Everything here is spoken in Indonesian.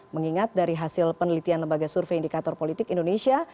mengingat dari hasil penelitian lembaga survei indikator politik indonesia